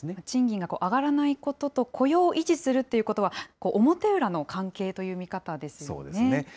賃金が上がらないことと、雇用を維持するということは、表裏の関係という見方ですよね。